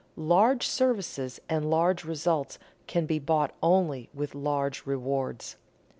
Large services and large results can be bought only with large rewards.